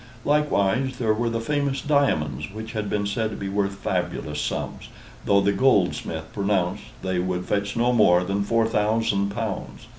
Likewise there were the famous diamonds which had been said to be worth fabulous sums, though the goldsmith pronounced they would fetch no more than four thousand pounds.